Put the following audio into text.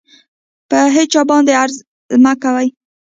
په هېچا باندې غرض مه کوئ.